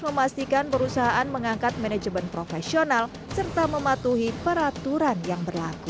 memastikan perusahaan mengangkat manajemen profesional serta mematuhi peraturan yang berlaku